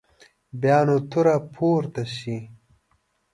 بیا نه توره پورته شي.